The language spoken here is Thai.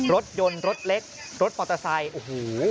รถยนต์รถเล็กรถมอเตอร์ไซด์